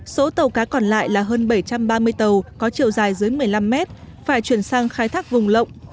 số tàu cá còn lại là hơn bảy trăm ba mươi tàu có chiều dài dưới một mươi năm mét phải chuyển sang khai thác vùng lộng